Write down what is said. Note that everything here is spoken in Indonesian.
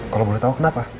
kalau boleh tau kenapa